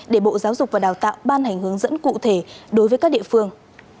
để bộ giáo dục và đào tạo ban hành hướng dẫn cụ thể đối với các địa phương